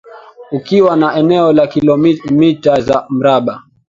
ukiwa na eneo la kilometa za mraba